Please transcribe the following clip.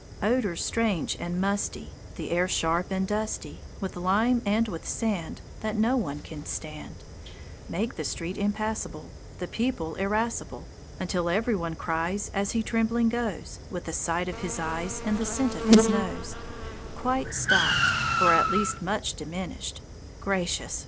Odours strange and musty, The air sharp and dusty With lime and with sand, That no one can stand, Make the street impassable, The people irascible, Until every one cries, As he trembling goes With the sight of his eyes And the scent of his nose Quite stopped or at least much diminished "Gracious!